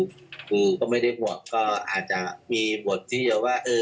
คือก็ไม่ได้บวกก็อาจจะมีบทที่จะว่า